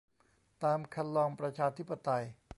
ตามครรลองประชาธิปไตย